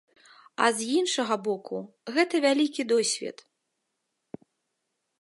А з іншага боку, гэта вялікі досвед.